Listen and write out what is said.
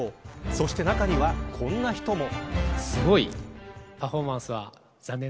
そして中には、こんな人も。